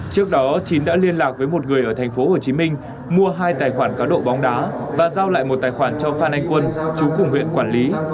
trước đó chín đã liên lạc với một người ở thành phố hồ chí minh mua hai tài khoản cá độ bóng đá và giao lại một tài khoản cho phan anh quân chú cùng huyện quản lý